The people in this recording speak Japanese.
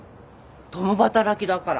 共働きだから。